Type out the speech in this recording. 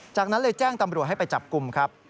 จากนั้นเลยแจ้งตำรวจให้ไปจับกลุ่มครับ